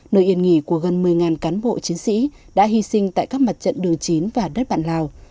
nơi yên nghỉ của gần một mươi cán bộ chiến sĩ đã hy sinh tại các mặt trận đường chín và đất bạn lào